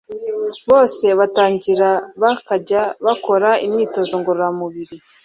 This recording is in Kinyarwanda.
bose batangira bakajya bakora imyitozo ngororamubiri